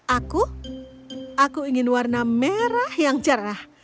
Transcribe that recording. aku aku ingin warna merah yang cerah